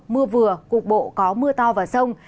mưa vừa cục bộ có mưa to và sông